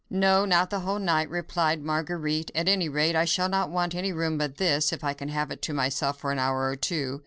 "No! not the whole night," replied Marguerite. "At any rate, I shall not want any room but this, if I can have it to myself for an hour or two."